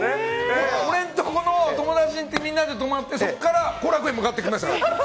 俺んとこの友達のとこにみんなで泊まって、そこから後楽園に向かっていきましたから。